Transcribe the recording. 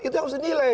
itu yang harus dinilai